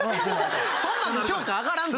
そんなんで評価上がらんぞ。